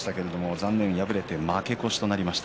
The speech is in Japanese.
残念敗れて負け越しとなりました。